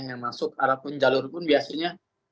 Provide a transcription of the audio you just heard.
yang masuk ada pun jalur pun biasanya